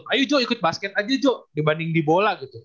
ayo jo ikut basket aja jo dibanding di bola gitu